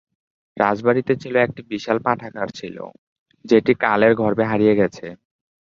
রাজবাড়িতে ছিল একটি বিশাল পাঠাগার ছিলো যেটি কালের গর্ভে হারিয়ে গেছে।